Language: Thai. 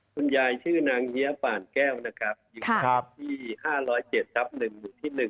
คุณยายชื่อนางเงี้ยป่านแก้วนะครับอยู่บ้านที่๕๐๗ทับ๑หมู่ที่๑